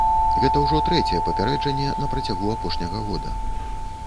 Гэта ўжо трэцяе папярэджанне на працягу апошняга года.